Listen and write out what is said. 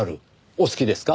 お好きですか？